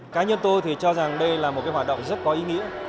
cá nhân tôi thì cho rằng đây là một hoạt động rất có ý nghĩa